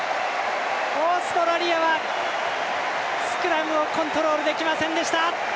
オーストラリアはスクラムをコントロールできませんでした。